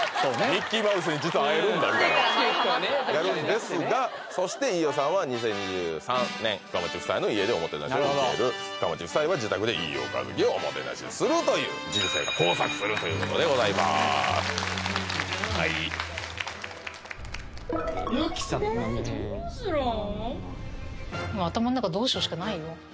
ミッキーマウスに実は会えるんだみたいなやるんですがそして飯尾さんは２０２３年深町夫妻は自宅で飯尾和樹をおもてなしするという人生が交錯するということでございます・えどうするん？